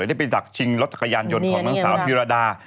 ได้ไปดักชิงรถจักรยานยนต์ของนางสาวพิรดา